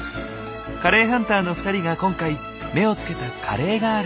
カレーハンターの２人が今回目をつけたカレーがある。